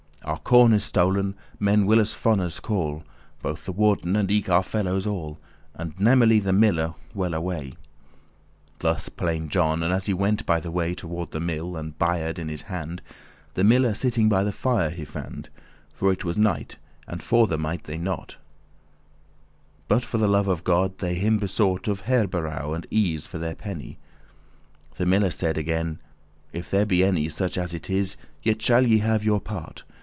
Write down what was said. *mockery Our corn is stol'n, men will us fonnes* call, *fools Both the warden, and eke our fellows all, And namely* the miller, well away!" *especially Thus plained John, as he went by the way Toward the mill, and Bayard* in his hand. *the bay horse The miller sitting by the fire he fand*. *found For it was night, and forther* might they not, *go their way But for the love of God they him besought Of herberow* and ease, for their penny. *lodging The miller said again," If there be any, Such as it is, yet shall ye have your part.